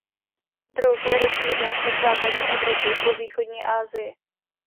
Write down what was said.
Druh je rozšířen od západní Evropy po východní Asii.